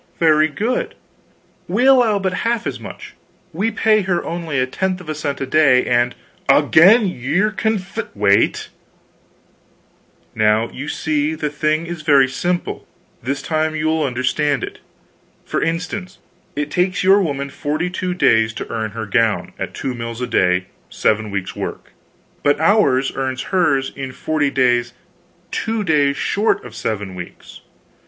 "Very good; we allow but half as much; we pay her only a tenth of a cent a day; and " "Again ye're conf " "Wait! Now, you see, the thing is very simple; this time you'll understand it. For instance, it takes your woman 42 days to earn her gown, at 2 mills a day 7 weeks' work; but ours earns hers in forty days two days short of 7 weeks.